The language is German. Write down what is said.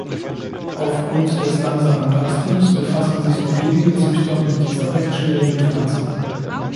Aufgrund des langsamen Wachstums befassen sich nur wenige Züchter mit dieser recht schwierigen Pflanze.